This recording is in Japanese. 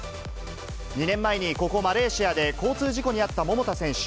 ２年前にここマレーシアで交通事故に遭った桃田選手。